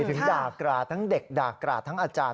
ถึงด่ากราดทั้งเด็กด่ากราดทั้งอาจารย์